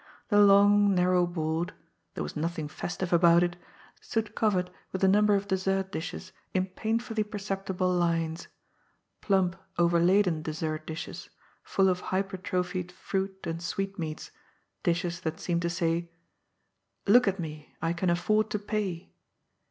The long narrow board — there was nothing festive about it — stood covered with a number of dessert dishes in painfully perceptible lines : plump, overladen dessert dishes, full of hypertrophied fruit and sweetmeats, dishes that seemed to say, ^' Look at me ; I can afford to pay."